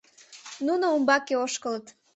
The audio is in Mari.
Нуно умбаке ошкылыт.